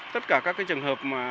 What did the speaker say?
tất cả các trường hợp